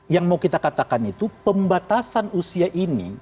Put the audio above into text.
yang mau kita katakan itu pembatasan usia ini